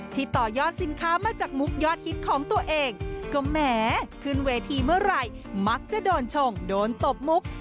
ต่อยอดสินค้ามาจากมุกยอดฮิตของตัวเองก็แหมขึ้นเวทีเมื่อไหร่มักจะโดนชงโดนตบมุก